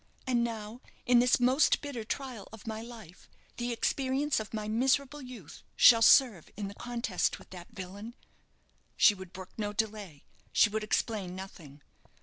And now, in this most bitter trial of my life, the experience of my miserable youth shall serve in the contest with that villain." She would brook no delay; she would explain nothing.